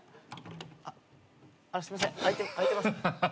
あっすいませんあいてます？ハハハ。